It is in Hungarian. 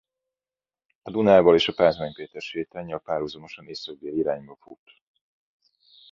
A Dunával és a Pázmány Péter sétánnyal párhuzamosan észak-déli irányba fut.